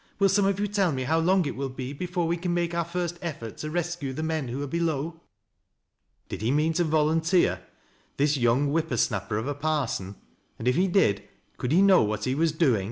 Will some of you tell me how long it will be before we can make our first effort to rescue the men who are below?" Did he mean to volunteer — this young whipper snappei ijf a parson ? And if he did, could he know what he wa« 1 '.